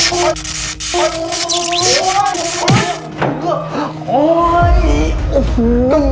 ทุ่มมันจริง